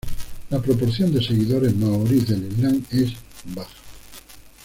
La proporción de seguidores maoríes del Islam es baja.